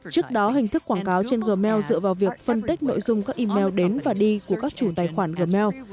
trước đó hình thức quảng cáo trên gmail dựa vào việc phân tích nội dung các email đến và đi của các chủ tài khoản gmail